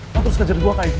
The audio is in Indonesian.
lo terus kejar gue kayak gini